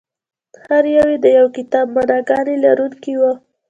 هر یو یې د یو کتاب معناګانې لرونکي وو.